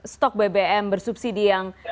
stok bbm bersubsidi yang